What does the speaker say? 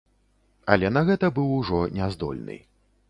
Але на гэта быў ужо не здольны.